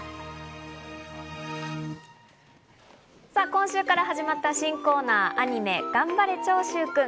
今週から始まった新コーナー、アニメ『がんばれ！長州くん』。